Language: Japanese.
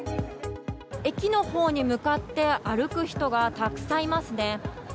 駅のほうに向かって歩く人がたくさんいますね。